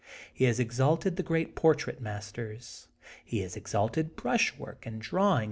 He has exalted the great portrait masters*. He has exalted brushwork and drawing